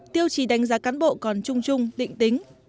tiêu chỉ đánh giá cán bộ còn trung trung định tính